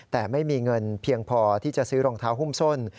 แต่ไม่มีเงินเพียงพอที่จะซื้อรองเท้าหุ้มส้น